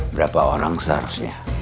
berapa orang seharusnya